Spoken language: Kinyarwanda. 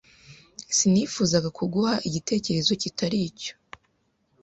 Sinifuzaga kuguha igitekerezo kitari cyo.